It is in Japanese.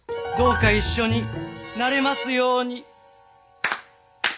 どうか一緒になれますように。